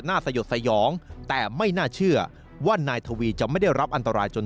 สยดสยองแต่ไม่น่าเชื่อว่านายทวีจะไม่ได้รับอันตรายจน